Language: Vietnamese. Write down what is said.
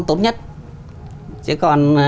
tốt nhất chứ còn